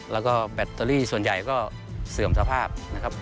แล้วก็แบตเตอรี่ส่วนใหญ่ก็เสื่อมสภาพนะครับ